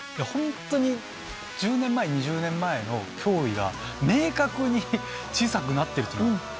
本当に、１０年前、２０年前の脅威が明確に小さくなってるという。